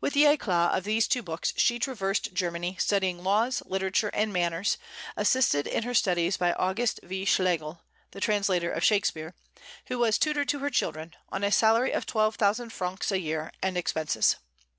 With the éclat of these two books she traversed Germany, studying laws, literature, and manners, assisted in her studies by August v. Schlegel (the translator of Shakspeare), who was tutor to her children, on a salary of twelve thousand francs a year and expenses.